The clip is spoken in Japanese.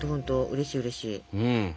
うれしいうれしい。